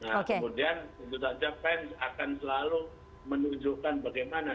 nah kemudian tentu saja fans akan selalu menunjukkan bagaimana